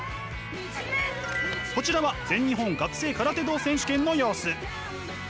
こちらは全日本学生空手道選手権の様子。